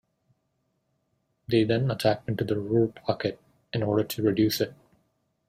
They then attacked into the Ruhr Pocket, in order to reduce it.